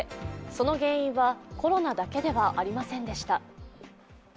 その原因はコロナだけではありませんでした。